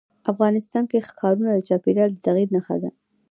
افغانستان کې ښارونه د چاپېریال د تغیر نښه ده.